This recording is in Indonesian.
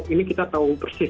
ini kita tahu persis